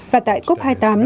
và tại cop hai mươi tám